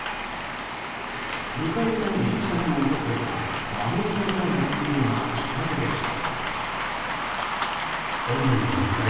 迎えのために自宅を訪れたマネジャーからの通報がきっかけでした。